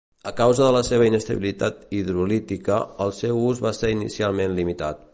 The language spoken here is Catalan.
A causa de la seva inestabilitat hidrolítica, el seu ús va ser inicialment limitat.